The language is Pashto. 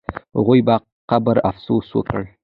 هغوی په قبر افسوس وکړ.